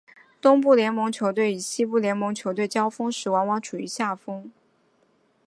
东部联盟球队与西部联盟球队交锋时往往处于下风。